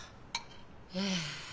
ええ。